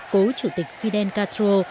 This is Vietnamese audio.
của chủ tịch fidel castro